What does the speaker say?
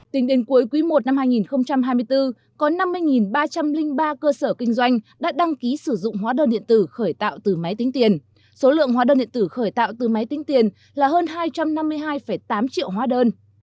tính đến cuối quý i năm hai nghìn hai mươi bốn có năm mươi ba trăm linh ba cơ sở kinh doanh đã đăng ký sử dụng hóa đơn điện tử khởi tạo từ máy tính tiền số lượng hóa đơn điện tử khởi tạo từ máy tính tiền là hơn hai trăm năm mươi hai tám triệu hóa đơn